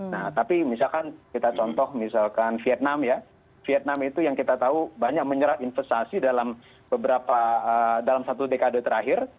nah tapi misalkan kita contoh misalkan vietnam ya vietnam itu yang kita tahu banyak menyerap investasi dalam beberapa dalam satu dekade terakhir